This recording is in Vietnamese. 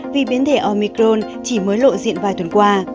vì biến thể omicron chỉ mới lộ diện vài tuần qua